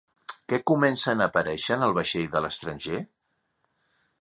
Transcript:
Què comencen a aparèixer en el vaixell de l'estranger?